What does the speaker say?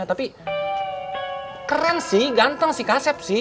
tapi keren sih ganteng sih kasep sih